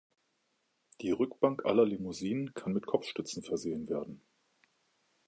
Die Rückbank aller Limousinen kann mit Kopfstützen versehen werden.